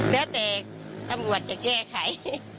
แล้วแต่ตำรวจจะแก้ไข